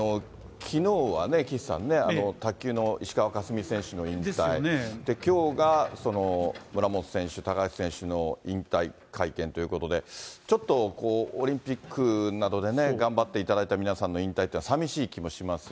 きのうはね、岸さんね、卓球の石川佳純選手の引退、きょうが村元選手・高橋選手の引退会見ということで、ちょっとオリンピックなどでね、頑張っていただいた皆さんの引退というのはさみしい気もしますよ